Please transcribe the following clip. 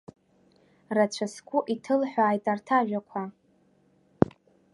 Рацәа сгәы иҭылҳәааит арҭ ажәақәа.